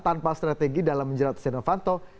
tanpa strategi dalam menjerat setia novanto